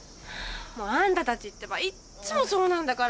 もうあんたたちってばいっつもそうなんだから。